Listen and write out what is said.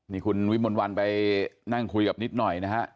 นี่คุณวิมนต์วันไปนั่งคุยกับนิดหน่อยนะฮะ